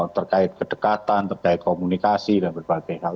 terkait kedekatan terkait komunikasi dan berbagai hal